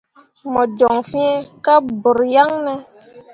Mo joŋ fĩĩ gah ɓur yaŋne ?